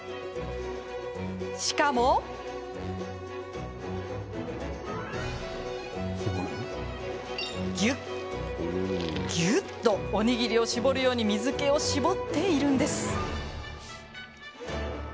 しかもぎゅっぎゅっとおにぎりを握るように水けを絞っているんです。